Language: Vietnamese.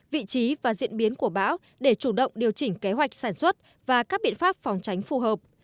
vị trí và diễn biến của bão để chủ động điều chỉnh kế hoạch sản xuất và các biện pháp phòng tránh phù hợp